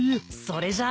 それじゃ。